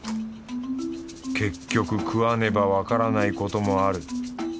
結局食わねばわからないこともある。